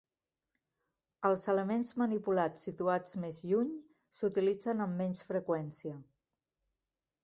Els elements manipulats situats més lluny s'utilitzen amb menys freqüència.